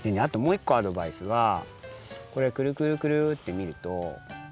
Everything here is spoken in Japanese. あともう１こアドバイスはこれクルクルクルってみると。